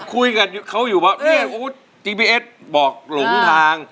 คุยกับเขาอยู่แบบนี่จีบีเอสบอกหลวงทาง